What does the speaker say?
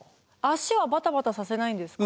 足はバタバタさせないんですか？